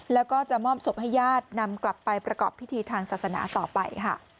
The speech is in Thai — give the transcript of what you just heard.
แล้วก็จะมอบศพให้ญาตินำกลับไปประกอบพิธีทางศาสนาต่อไปค่ะ